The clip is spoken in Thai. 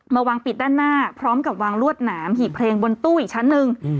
วางปิดด้านหน้าพร้อมกับวางลวดหนามหีบเพลงบนตู้อีกชั้นหนึ่ง